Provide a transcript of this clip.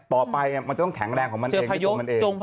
ต่อไปมันจะต้องแข็งแรงของมันเองด้วยตัวมันเอง